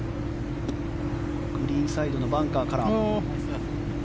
グリーンサイドのバンカーから。